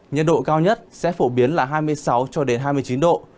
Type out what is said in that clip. nhật độ cao nhất sẽ phổ biến là hai mươi sáu hai mươi chín độ